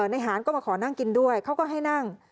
ในหารก็มาขอนั่งกินด้วยเขาก็ให้นั่ง